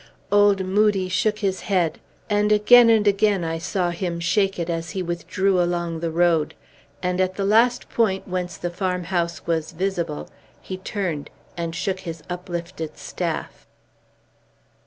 Old Moodie shook his head; and again and again I saw him shake it, as he withdrew along the road; and at the last point whence the farmhouse was visible, he turned and shook his uplifted staff.